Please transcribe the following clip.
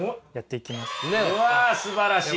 うわすばらしい。